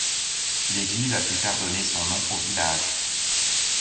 L'église a plus tard donné son nom au village.